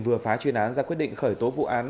vừa phá chuyên án ra quyết định khởi tố vụ án